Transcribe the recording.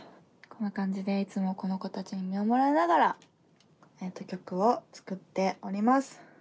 こんな感じでいつもこの子たちに見守られながら曲を作っております。